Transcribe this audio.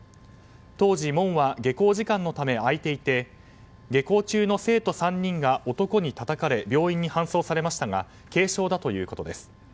当時、門は下校時間のため開いていて下校中の生徒３人が男にたたかれ病院に搬送されましたが軽傷だということです。